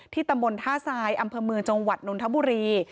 ตำบลท่าทรายอำเภอเมืองจังหวัดนนทบุรี